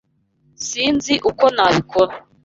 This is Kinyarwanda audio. Sinzi uko nabikora.